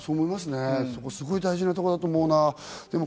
そこすごく大事なところだと思うな。